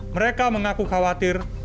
mereka mengaku khawatir